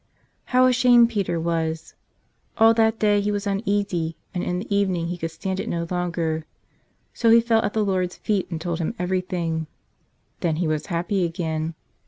How ashamed Peter was! All that day he was un¬ easy and in the evening he could stand it no longer. So he fell at the Lord's feet and told Him everything. Then he was happy again.